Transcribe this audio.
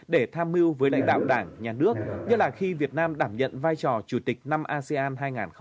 để tham mưu với lãnh đạo đảng nhà nước nhất là khi việt nam đảm nhận vai trò chủ tịch năm asean hai nghìn hai mươi